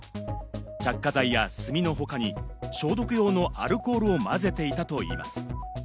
着火剤や炭の他に消毒用のアルコールを混ぜていたといいます。